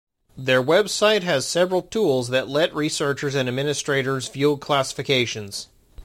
Their website has several tools that let researchers and administrators view classifications.